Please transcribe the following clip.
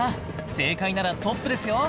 正解ならトップですよ